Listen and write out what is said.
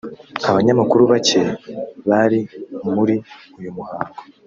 Abanyamakuru bake bari muri uyu muhango